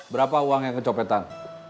berapa uang yang kecopetan